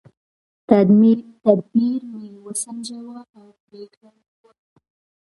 تدبیر مې وسنجاوه او پرېکړه مې وکړه.